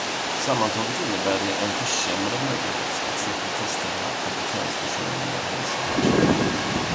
Sammantaget innebär det en försämrad möjlighet att säkerhetsställa kompetensförsörjningen i dessa branscher.